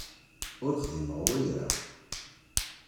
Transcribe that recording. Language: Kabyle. Ur xdimeɣ wayra.